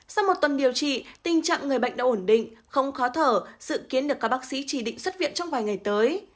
sau một tuần điều trị tình trạng người bệnh đã ổn định không khó thở dự kiến được các bác sĩ chỉ định xuất viện trong vài ngày tới